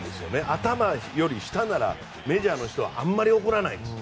頭から下だったらメジャーの人はあまり怒らないです。